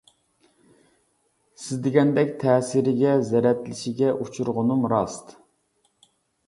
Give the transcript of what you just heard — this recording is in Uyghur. سىز دېگەندەك تەسىرىگە زەرەتلىشىگە ئۇچۇرغىنىم راست.